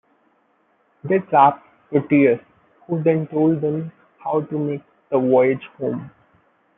They trapped Proteus, who then told them how to make the voyage home.